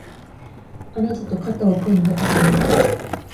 あなたと肩を組んで朝を待つ